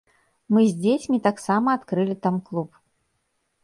Мы з дзецьмі таксама адкрылі там клуб.